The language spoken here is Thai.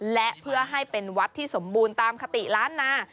และเพื่อให้เป็นวัดที่สมบูรณ์ตามคติล้านนา